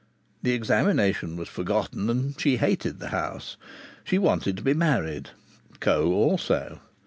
The examination was forgotten, and she hated the house. She wanted to be married; Coe also.